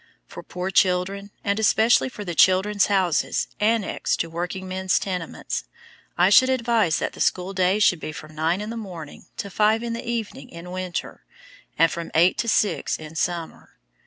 For poor children, and especially for the "Children's Houses" annexed to workingmen's tenements, I should advise that the school day should be from nine in the morning to five in the evening in winter, and from eight to six in summer.